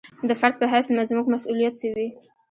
د فرد په حیث زموږ مسوولیت څه وي.